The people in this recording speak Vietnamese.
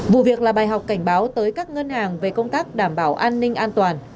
vụ việc là bài học cảnh báo tới các ngân hàng về công tác đảm bảo an ninh an toàn